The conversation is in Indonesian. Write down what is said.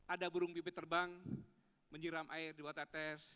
ada burung pipit terbang menyeram air dua tetes